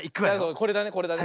これだねこれだね。